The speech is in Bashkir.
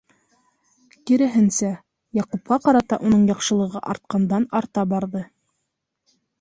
Киреһенсә, Яҡупҡа ҡарата уның яҡшылығы артҡандан-арта барҙы.